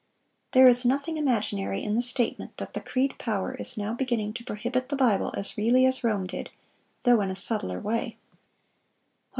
There is nothing imaginary in the statement that the creed power is now beginning to prohibit the Bible as really as Rome did, though in a subtler way."